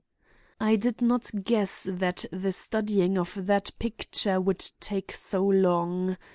"I did not guess that the studying out of that picture would take so long.